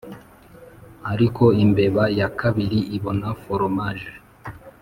ariko imbeba ya kabiri ibona foromaje